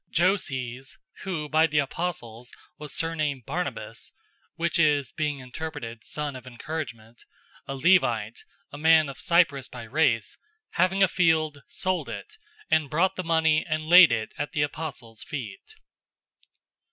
004:036 Joses, who by the apostles was surnamed Barnabas (which is, being interpreted, Son of Encouragement), a Levite, a man of Cyprus by race, 004:037 having a field, sold it, and brought the money and laid it at the apostles' feet.